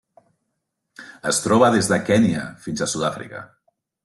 Es troba des de Kenya fins a Sud-àfrica.